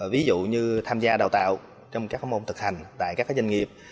ví dụ như tham gia đào tạo trong các môn thực hành tại các doanh nghiệp